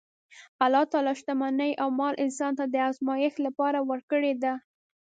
الله تعالی شتمني او مال انسان ته د ازمایښت لپاره ورکړې ده.